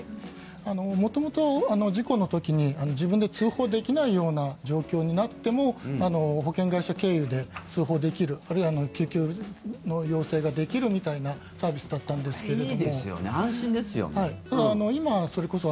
元々、事故の時に自分で通報できないような状況になっても保険会社経由で通報できる、あるいは救急の要請ができるみたいなサービスだったんですけど。